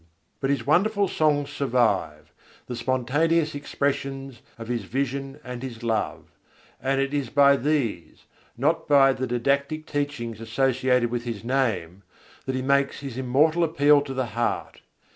But his wonderful songs survive, the spontaneous expressions of his vision and his love; and it is by these, not by the didactic teachings associated with his name, that he makes his immortal appeal to the heart.